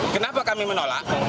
kenapa kami menolak